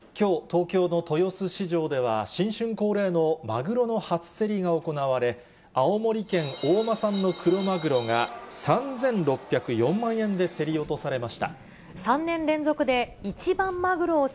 きょう、東京の豊洲市場では、新春恒例のマグロの初競りが行われ、青森県大間産のクロマグロが、３６０４万円で競り落とされまし